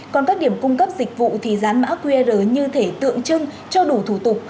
còn các điểm cung cấp dịch vụ thì dán mã qr như thể tượng trưng cho đủ thủ tục